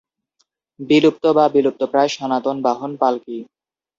বিলুপ্ত বা বিলুপ্তপ্রায় সনাতন বাহন পালকি।